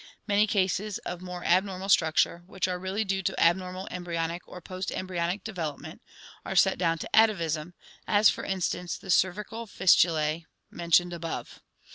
Many cases of more abnormal structure, which are really due to abnormal embryonic or post embryonic development, are set down to atavism, as, for instance, the cervical fistulae [mentioned above].